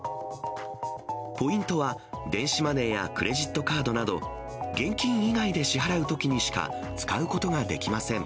ポイントは電子マネーやクレジットカードなど、現金以外で支払うときにしか使うことができません。